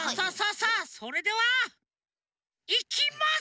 さあそれではいきます！